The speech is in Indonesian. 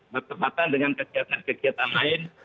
bertepatan dengan kegiatan kegiatan lain